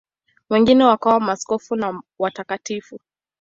Wengine wakawa maaskofu na watakatifu.